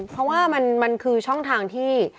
เพราะว่ามันคือช่องทางที่